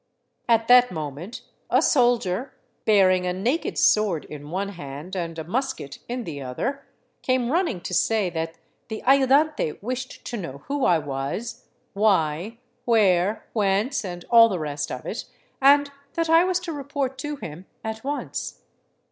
At that moment a soldier, bearing a naked sword in one hand and a musket in the other, came running to say that the ayudante wished to know who I was, why, where, whence, and all the rest of it, — and that I was to report to him at once.